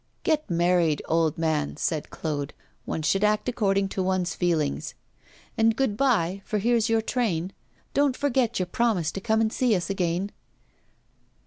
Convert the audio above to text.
'Get married, old man,' said Claude. 'One should act according to one's feelings. And good bye, for here's your train. Don't forget your promise to come and see us again.